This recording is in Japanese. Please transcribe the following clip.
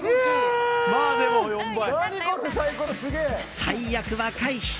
最悪は回避！